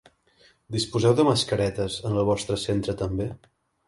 Disposeu de mascaretes en el vostre centre també?